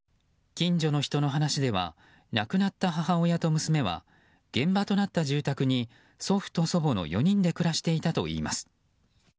近所の人の話では亡くなった母親と娘は現場となった住宅に祖父と祖母の４人で暮らしていたといいます。